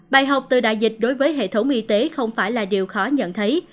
bài học từ đại dịch đối với hệ thống y tế không phải là điều khó nhận thấy